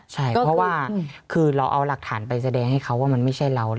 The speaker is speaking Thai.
ใช่เพราะว่าคือเราเอาหลักฐานไปแสดงให้เขาว่ามันไม่ใช่เรา